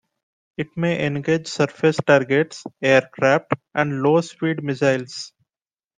It may engage surface targets, aircraft, and low speed missiles.